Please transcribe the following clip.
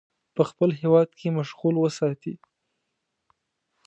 په خپل هیواد کې مشغول وساتي.